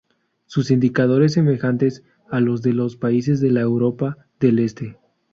Sus indicadores semejantes a los de los países de la Europa del Este.